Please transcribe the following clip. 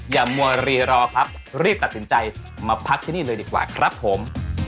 มัวรีรอครับรีบตัดสินใจมาพักที่นี่เลยดีกว่าครับผม